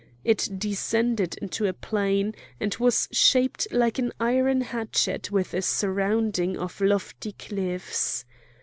It descended into a plain, and was shaped like an iron hatchet with a surrounding of lofty cliffs.